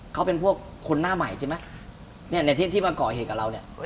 เขาเป็นพวกคนหน้าใหม่ใช่ไหมเนี่ยในที่ที่มาก่อเหตุกับเราเนี่ย